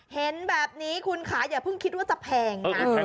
เห็นแบบนี้คุณค่ะอย่าเพิ่งคิดว่าจะแพงนะ